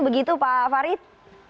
begitu pak farid